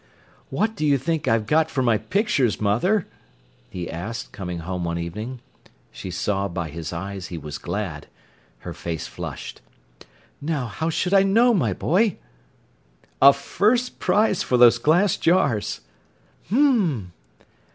"What do you think I've got for my pictures, mother?" he asked, coming home one evening. She saw by his eyes he was glad. Her face flushed. "Now, how should I know, my boy!" "A first prize for those glass jars—" "H'm!"